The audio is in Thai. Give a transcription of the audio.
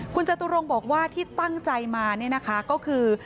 คุณจตุรงบอกว่าที่ตั้งใจมาก็คือ